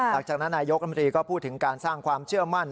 หลังจากนั้นนายกรมรีก็พูดถึงการสร้างความเชื่อมั่น